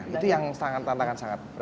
itu yang tantangan sangat